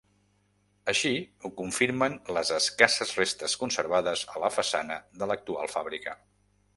Així ho confirmen les escasses restes conservades a la façana de l'actual fàbrica.